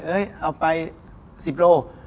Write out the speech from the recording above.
เอ้ยเอาไป๑๐โล